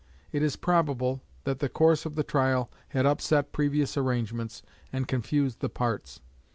It is probable that the course of the trial had upset previous arrangements and confused the parts.